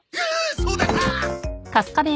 そうだった！